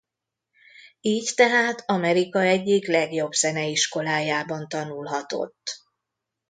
Így tehát Amerika egyik legjobb zeneiskolájában tanulhatott.